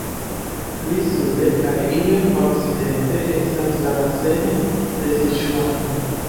Pli sude kaj iom okcidente estas la baseno de Siĉuano.